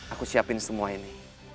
aku siapin semua ini